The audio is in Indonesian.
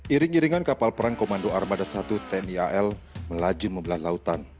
iring iringan kapal perang komando armada satu tni al melaju membelah lautan